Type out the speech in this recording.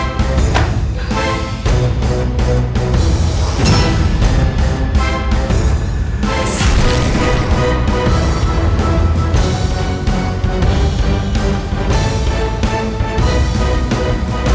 lihat ini rumahnya